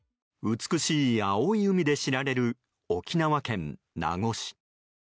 美しい青い海で知られる沖縄県名護市。